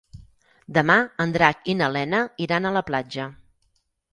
Demà en Drac i na Lena iran a la platja.